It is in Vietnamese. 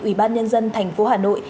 ủy ban nhân dân thành phố hà nội